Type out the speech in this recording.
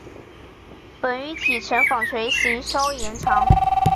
本鱼体成纺锤型稍延长。